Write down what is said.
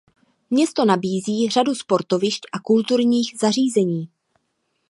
Město nabízí řadu sportovišť a kulturních zařízení.